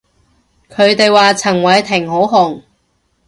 佢哋話陳偉霆好紅